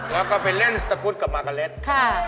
แล้วก็ไปเล่นสกุดกับมาคาเลตค่ะ